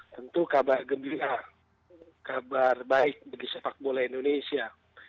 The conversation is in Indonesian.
tentu kabar gembira kabar baik bagi sepak bola indonesia